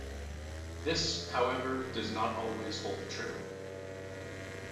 This, however, does not always hold true.